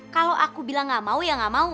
kalau aku bilang gak mau ya nggak mau